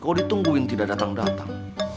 kalau ditungguin tidak datang datang